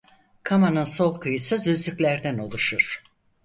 Kama'nın sol kıyısı düzlüklerden oluşur.